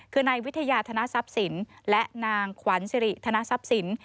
คือนายวิทยาธนทรัพย์สินและนางขวัญสิริธนทรัพย์สิน